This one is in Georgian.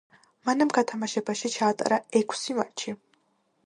მან ამ გათამაშებაში ჩაატარა ექვსი მატჩი.